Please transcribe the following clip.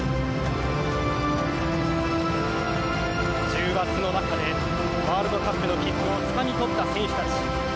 重圧の中で、ワールドカップの切符をつかみ取った選手たち。